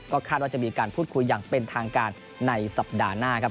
ก็คาดว่าจะมีการพุฒุอย่างเป็นทางการในสัปดาห์หน้า